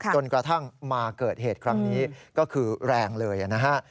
จนกระทั่งมาเกิดเหตุครั้งนี้ก็คือแรงเลยนะฮะ